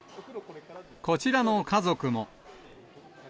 こちらの家族も。